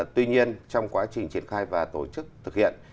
tuy nhiên trong quá trình triển khai và tổ chức thực hiện